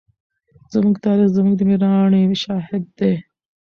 زموږ تاریخ زموږ د مېړانې شاهد دی.